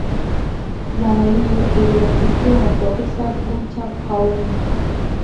Dhana hiyo iliasisiwa na profesa Gunter Pauli